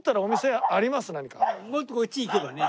もっとこっち行けばね。